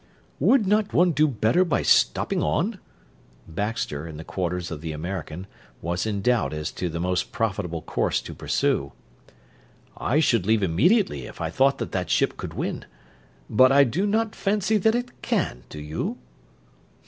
"Would not one do better by stopping on?" Baxter, in the quarters of the American, was in doubt as to the most profitable course to pursue. "I should leave immediately if I thought that that ship could win; but I do not fancy that it can, do you?"